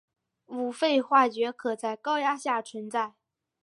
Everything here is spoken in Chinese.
五氟化铯可在高压下存在。